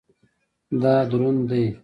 دا دروند دی